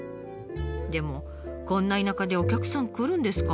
でもこんな田舎でお客さん来るんですか？